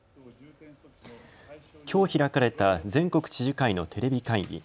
きょう開かれた全国知事会のテレビ会議。